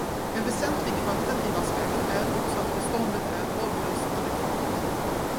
En väsentlig kvalitativ aspekt är också att beståndet är åldersadekvat.